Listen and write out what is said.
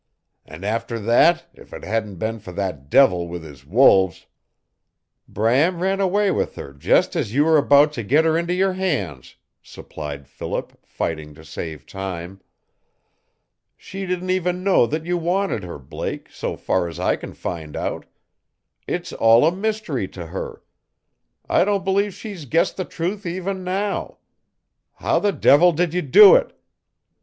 And after that, if it hadn't been for that devil with his wolves " "Bram ran away with her just as you were about to get her into your hands," supplied Philip, fighting to save time. "She didn't even know that you wanted her, Blake, so far as I can find out. It's all a mystery to her. I don't believe she's guessed the truth even now. How the devil did you do it?